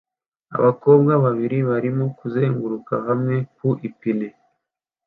Abakobwa babiri barimo kuzunguruka hamwe ku ipine